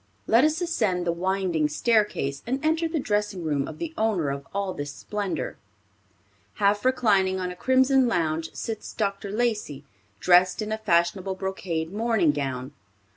Let us ascend the winding staircase, and enter the dressing room of the owner of all this splendor. Half reclining on a crimson lounge sits Dr. Lacey, dressed in a fashionable brocade morning gown.